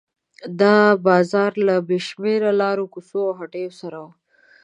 دا بازار له بې شمېره لارو کوڅو او هټیو سره و.